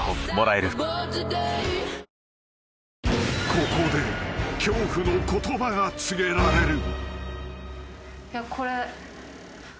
［ここで恐怖の言葉が告げられる］